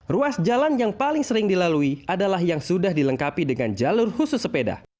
ruas jalan yang paling sering dilalui adalah yang sudah dilengkapi dengan jalur khusus sepeda